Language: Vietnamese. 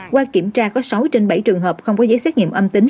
qua kiểm tra có sáu trên bảy trường hợp không có giấy xét nghiệm âm tính